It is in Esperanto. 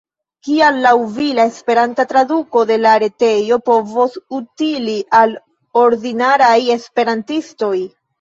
Kial laŭ vi la esperanta traduko de la retejo povos utili al ordinaraj esperantistoj?